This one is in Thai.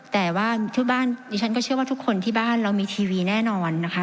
แต่ว่าทุกบ้านดิฉันก็เชื่อว่าทุกคนที่บ้านเรามีทีวีแน่นอนนะคะ